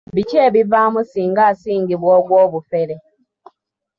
Biki ebivaamu singa asingisibwa ogw'obufere.